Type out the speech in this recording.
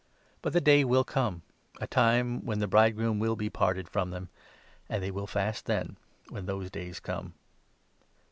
But the days will come — a time 35 when the bridegroom will be parted from them ; and they will fast then, when those days come."